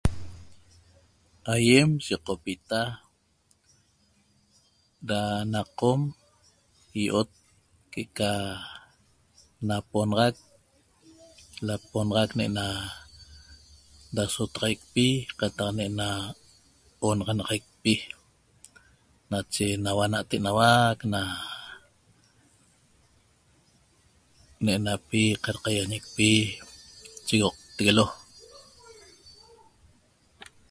Aiem yeqopita ra na qom io'ot que'eca naponaxac laponaxac ne'ena rasotaxaicpi qataq ne'ena onaxanaxaicpi nache enauac nateneua' na ne'enapi qarqaiañicpi chehoqtegueguelo